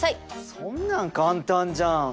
そんなん簡単じゃん。